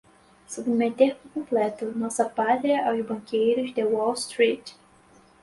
submeter por completo nossa Pátria aos banqueiros de Wall Street